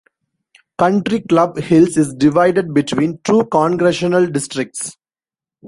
Country Club Hills is divided between two congressional districts.